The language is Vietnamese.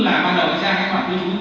là hai cái sản phẩm này